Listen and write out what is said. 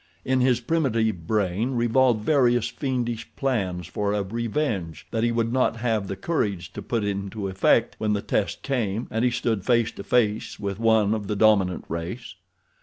In his primitive brain revolved various fiendish plans for a revenge that he would not have the courage to put into effect when the test came and he stood face to face with one of the dominant race.